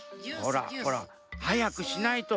ほらほらはやくしないと。